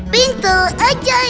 petah aja eh